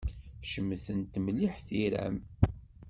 Cemtent mliḥ tira-m.